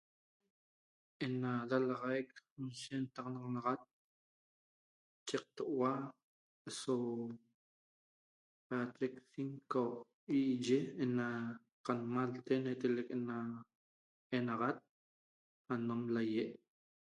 Ena dalaxaiq lshentaxanaxaic chectohia so patric 5 viiyi ena canmalte huetaleq ena enagat anom lahiee